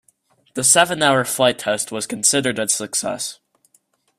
The seven-hour flight test was considered a success.